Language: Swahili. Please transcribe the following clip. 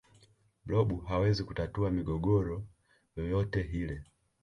blob hawezi kutatua migogoro yoyote hile